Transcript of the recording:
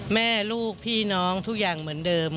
แม่ลูกพี่น้องทุกอย่างเหมือนเดิม